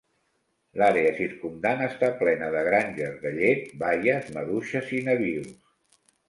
L'àrea circumdant està plena de granges de llet, baies, maduixes i nabius.